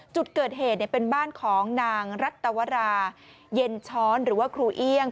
จุดเกิดเหตุเป็นบ้านของนางรัตวราเย็นช้อนหรือว่าครูเอี่ยง